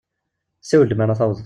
Siwel-d mi ara tawḍeḍ.